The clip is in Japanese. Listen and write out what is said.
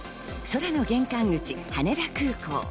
空の玄関口、羽田空港。